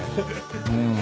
うん。